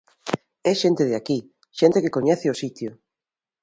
É xente de aquí, xente que coñece o sitio.